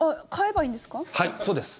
はい、そうです。